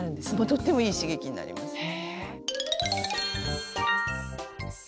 とってもいい刺激になりますね。